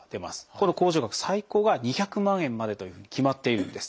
この控除額最高が２００万円までというふうに決まっているんです。